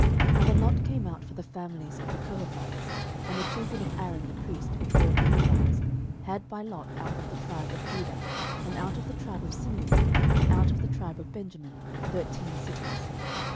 06:021:004 And the lot came out for the families of the Kohathites: and the children of Aaron the priest, which were of the Levites, had by lot out of the tribe of Judah, and out of the tribe of Simeon, and out of the tribe of Benjamin, thirteen cities.